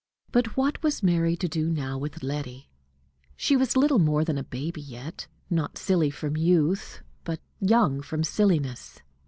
But what was Mary to do now with Letty? She was little more than a baby yet, not silly from youth, but young from silliness.